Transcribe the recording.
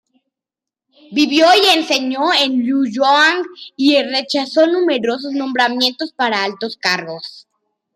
Vivió y enseñó en Luoyang, y rechazó numerosos nombramientos para altos cargos.